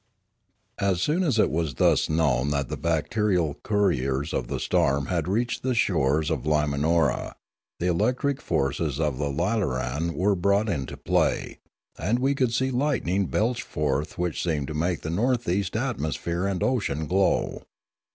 As soon as it was thus known that the bacterial couriers of the storm had reached the shores of Lima nora, the electric forces of the lilaran were brought into play, and we could see lightnings belch forth which seemed to make the north east atmosphere and ocean glow.